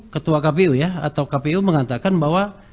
ketua kpu mengatakan bahwa